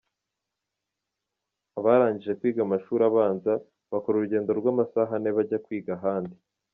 Abarangije kwiga amashuri abanza, bakora urugendo rw’amasaha ane bajya kwiga ahandi.